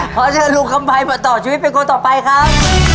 ขอเชิญลุงคำภัยมาต่อชีวิตเป็นคนต่อไปครับ